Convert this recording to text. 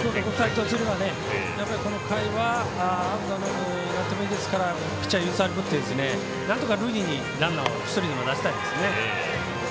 京都国際とすればこの回はアウトになってもいいからピッチャーを揺さぶってなんとか塁にランナー１人でも出したいですね。